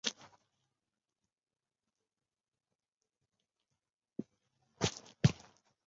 糙毛龙胆为龙胆科龙胆属的植物。